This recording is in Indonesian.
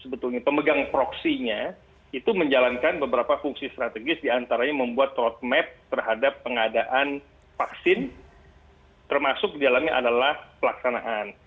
sebetulnya pemegang proksinya itu menjalankan beberapa fungsi strategis diantaranya membuat roadmap terhadap pengadaan vaksin termasuk di dalamnya adalah pelaksanaan